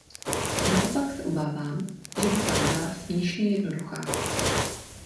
Naopak se obávám, že by pak byla směšně jednoduchá.